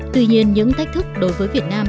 tuy nhiên những thách thức đối với việt nam